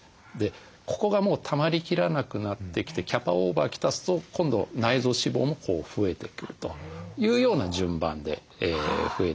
ここがもうたまりきらなくなってきてキャパオーバーきたすと今度内臓脂肪もこう増えてくるというような順番で増えてくる。